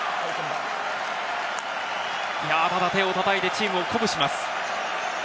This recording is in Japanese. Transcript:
ただ手を叩いてチームを鼓舞します。